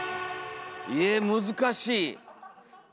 え難しい。